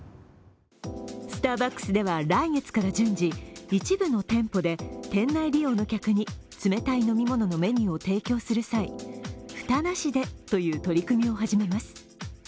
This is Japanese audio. スターバックスでは来月から順次一部の店舗で店内利用の客に冷たい飲み物のメニューを提供する際蓋なしでという取り組みを始めます。